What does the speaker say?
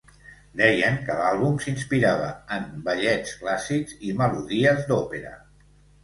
Deien que l'àlbum s'inspirava en ballets clàssics i melodies d'òpera.